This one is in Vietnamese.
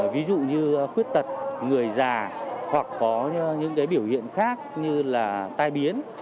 ví dụ như khuyết tật người già hoặc có những biểu hiện khác như tai biến